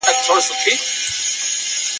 بدلوي په یوه ورځ کي سل رنګونه سل قولونه ..